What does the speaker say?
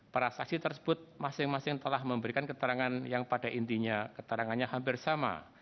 para saksi tersebut masing masing telah memberikan keterangan yang pada intinya keterangannya hampir sama